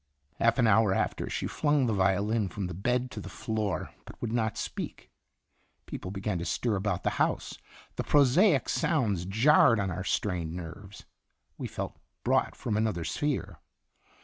Half an hour after she flung the violin from bed to floor, but would not speak. People began to stir about the house. The prosaic sounds jarred on our strained nerves. We felt brought from another sphere.